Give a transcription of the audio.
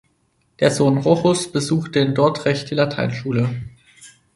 Der Sohn Rochus besuchte in Dordrecht die Lateinschule.